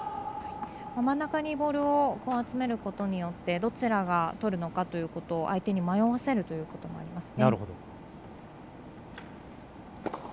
真ん中にボールを集めることによってどちらがとるのかということを相手に迷わせるということもありますよね。